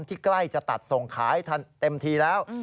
ใกล้จะตัดส่งขายเต็มทีแล้ว